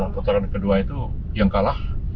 putaran kedua itu yang kalah